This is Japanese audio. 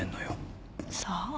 さあ？